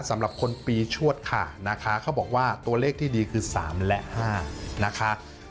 สำหรับคนปีชวดค่ะนะคะเขาบอกว่าตัวเลขที่ดีคือ๓และ๕นะคะ